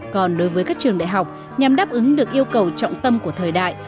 còn đối với các trường đại học nhằm đáp ứng được yêu cầu trọng tâm của thời đại